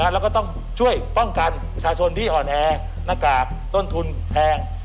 แล้วก็ต้องช่วยป้องกันประชาชนที่อ่อนแอหน้ากากต้นทุนแพง